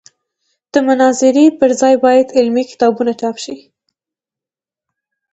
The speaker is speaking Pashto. د مناظرې پر ځای باید علمي کتابونه چاپ شي.